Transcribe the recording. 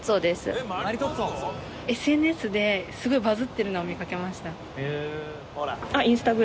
ＳＮＳですごいバズってるのを見かけました。